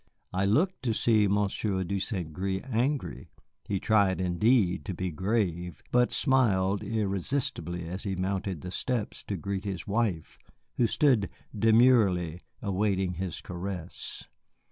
I looked to see Monsieur de St. Gré angry. He tried, indeed, to be grave, but smiled irresistibly as he mounted the steps to greet his wife, who stood demurely awaiting his caress.